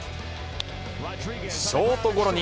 ショートゴロに。